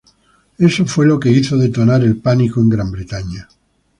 Esto fue lo que hizo detonar el pánico en Gran Bretaña.